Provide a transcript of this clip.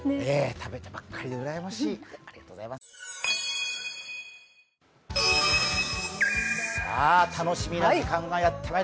食べてばっかりでうらやましい。